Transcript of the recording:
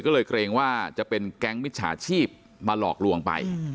ก็เลยเกรงว่าจะเป็นแก๊งมิจฉาชีพมาหลอกลวงไป